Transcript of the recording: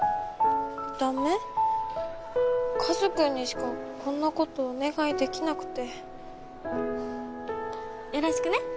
和くんにしかこんなことお願いできなくてよろしくね！